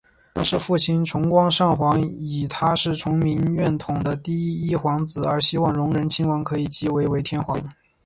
当时父亲崇光上皇以他是持明院统的嫡第一皇子而希望荣仁亲王可以即位为天皇。